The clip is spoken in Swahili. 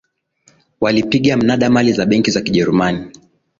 walipiga mnada mali za benki za kijerumani